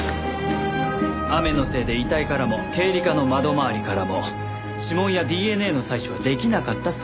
雨のせいで遺体からも経理課の窓回りからも指紋やＤＮＡの採取はできなかったそうです。